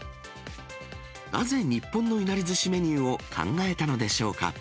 なぜ日本のいなりずしメニューを考えたのでしょうか。